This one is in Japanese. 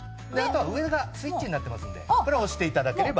上がスイッチになってますのでこれを押して頂ければ。